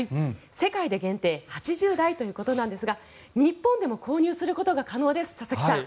世界で限定８０台ということなんですが日本でも購入することが可能です佐々木さん